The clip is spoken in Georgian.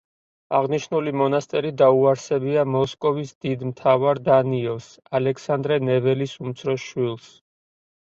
აღნიშნული მონასტერი დაუარსებია მოსკოვის დიდ მთავარ დანიელს, ალექსანდრე ნეველის უმცროს შვილს.